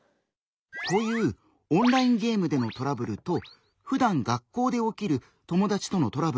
こういうオンラインゲームでのトラブルとふだん学校で起きる友達とのトラブル。